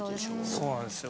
そうなんですよ。